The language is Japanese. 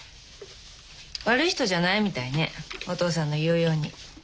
悪い人じゃないみたいねお義父さんの言うように。